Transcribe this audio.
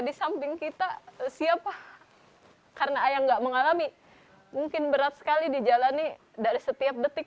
di samping kita siapa karena ayah nggak mengalami mungkin berat sekali dijalani dari setiap detik